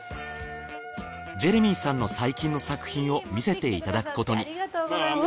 ジェレミーさんの最近の作品を見せていただくことに。